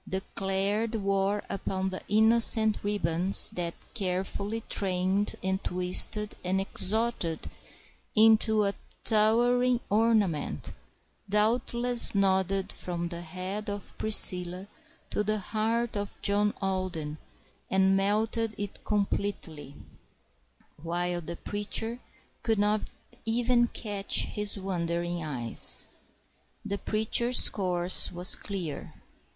declared war upon the innocent ribbons that, carefully trained and twisted and exalted into a towering ornament, doubtless nodded from the head of Priscilla to the heart of John Alden and melted it completely, while the preacher could not even catch his wandering eyes. The preacher's course was clear.